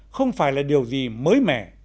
không phải là điều gì mới mẻ